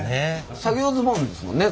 作業ズボンですもんね？